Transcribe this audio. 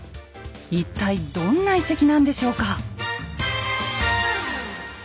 一体どんな遺跡なんでしょうか？